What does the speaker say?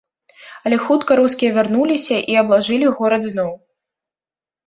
Але хутка рускія вярнуліся і аблажылі горад зноў.